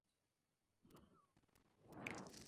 El juego forma parte de la serie Just Dance.